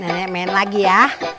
nenek main lagi ya